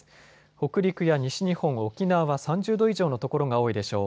北陸や西日本、沖縄は３０度以上の所が多いでしょう。